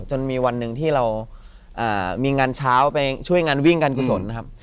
จนมีวันหนึ่งที่เรามีงานเช้าไปช่วยงานวิ่งการกุศลนะครับ